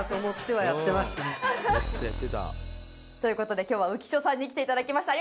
という事で今日は浮所さんに来て頂きました。